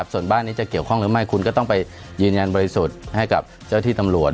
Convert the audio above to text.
ส่วนบ้านนี้จะเกี่ยวข้องหรือไม่คุณก็ต้องไปยืนยันบริสุทธิ์ให้กับเจ้าที่ตำรวจ